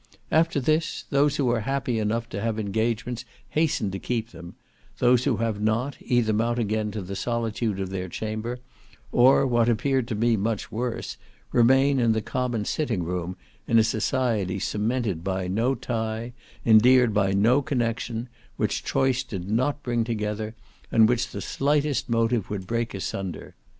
After this, those who are happy enough to have engagements hasten to keep them; those who have not, either mount again to the solitude of their chamber, or, what appeared to me much worse, remain in the common sitting room, in a society cemented by no tie, endeared by no connexion, which choice did not bring together, and which the slightest motive would break asunder.